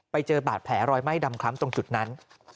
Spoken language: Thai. ไปเจอบาดแผลรอยไหม้ดำคล้ำตรงจุดนั้น